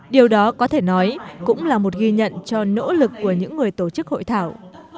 điều đó có thể nói cũng là một ghi nhận cho nỗ lực của những người tổ chức hội thảo